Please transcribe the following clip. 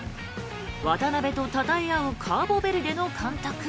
渡邊とたたえ合うカーボベルデの監督。